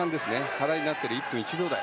課題になっている１分１秒台。